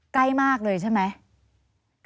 ใกล้มากเลยใช่ไหม